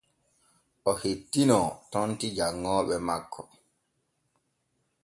O hettinoo tonti janŋooɓe makko.